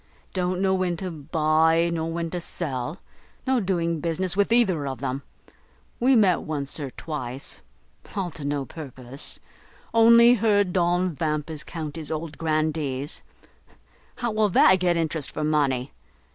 don't know when to buy nor when to sell. No doing business with either of them. We met once or twice; all to no purpose; only heard Don Vampus count his old Grandees; how will that get interest for money?